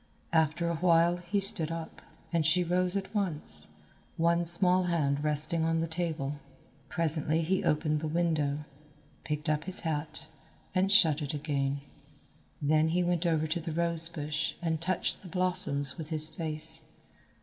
After a while he stood up, and she rose at once, one small hand resting on the table. Presently he opened the window, picked up his hat, and shut it again. Then he went over to the rosebush and touched the blossoms with his face.